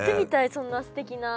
そんなすてきな。